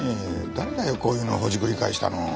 誰だよこういうのほじくり返したの。